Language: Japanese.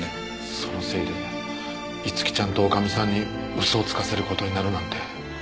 そのせいで逸希ちゃんと女将さんに嘘をつかせる事になるなんて。